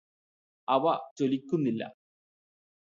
അവ ജ്വലിക്കുന്നില്ല